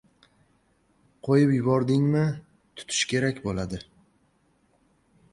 • Qo‘yib yubordingmi, tutish kerak bo‘ladi.